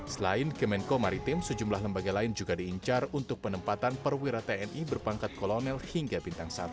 selain kemenko maritim sejumlah lembaga lain juga diincar untuk penempatan perwira tni berpangkat kolonel hingga bintang satu